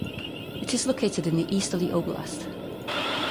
It is located in the east of the oblast.